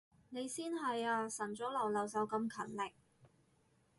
你先係啊，晨早流流就咁勤力